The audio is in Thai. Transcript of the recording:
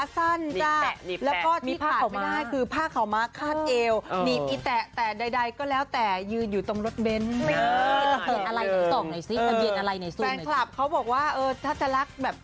สุดคนครับเขาบอกว่าแบบเอ่อถ้าจะรักแบบ